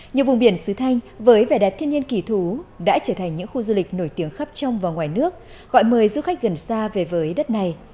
nhiều vùng biển sứ thanh với vẻ đẹp thiên nhiên kỳ thú đã trở thành những khu du lịch nổi tiếng khắp trong và ngoài nước gọi mời du khách gần xa về với đất này